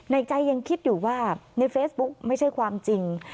ในใจยังคิดอยู่ว่าในเฟซบุ๊กไม่ใช่ความจริง